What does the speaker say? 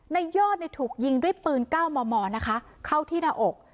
นายอดถูกยิงด้วยปืนก้าวมอมอเข้าที่หน้าอก